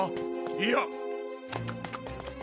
いや。